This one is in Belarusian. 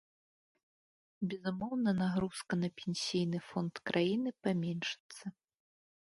Безумоўна, нагрузка на пенсійны фонд краіны паменшыцца.